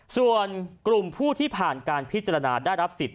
ส่วนกลุ่มผู้ที่ผ่านการพิจารณาได้รับสิทธิ